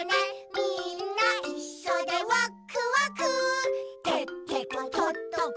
「みんないっしょでワックワク」「てってことっとこ」